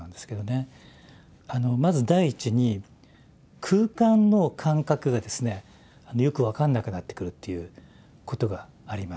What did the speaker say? まず第一に空間の感覚がですねよく分かんなくなってくるっていうことがあります。